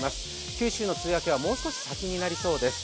九州の梅雨明けはもう少し先になりそうです。